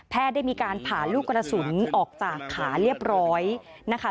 ได้มีการผ่าลูกกระสุนออกจากขาเรียบร้อยนะคะ